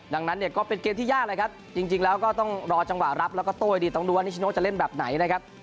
ดังนั้นเนี่ยก็เป็นเกมที่ยากเลยครับจริงแล้วก็ต้องรอจังหวะรับแล้วก็โต้ให้ดีต้องดูว่านิชโนจะเล่นแบบไหนนะครับ